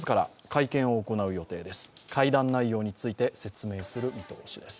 会談内容について説明する見通しです。